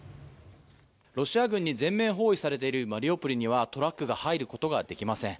ロシア軍に全面包囲されているマリウポリにはトラックが入ることができません。